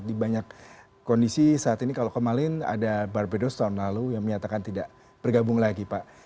di banyak kondisi saat ini kalau kemarin ada barbedos tahun lalu yang menyatakan tidak bergabung lagi pak